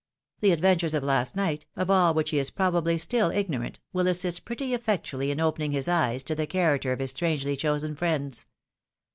The ad ventures of last night, of all which he is probably still ignorant, will assist pretty affectuaUy in opening his eyes to the character of his strangely chosen friends.